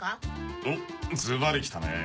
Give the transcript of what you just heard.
おっズバリきたね